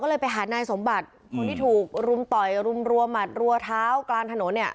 ก็เลยไปหานายสมบัติคนที่ถูกรุมต่อยรุมรัวหมัดรัวเท้ากลางถนนเนี่ย